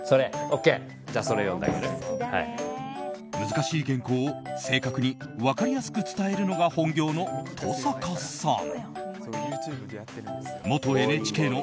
難しい原稿を正確に分かりやすく伝えるのが本業の登坂さん。